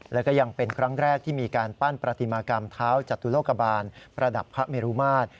แล้วก็ยังเป็นครั้งแรกที่มีการปั้นประติมากรรมเท้าจตุโลกบาลประดับพระเมรุมาตร